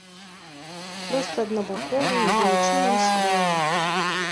Проста аднабакова, не даючы нам слова.